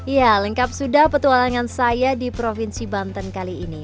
ya lengkap sudah petualangan saya di provinsi banten kali ini